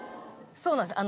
そうなんです。